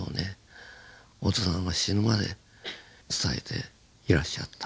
小津さんは死ぬまで伝えていらっしゃった。